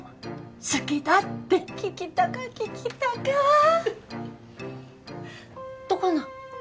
「好きだ」って聞きたか聞きたかどこな？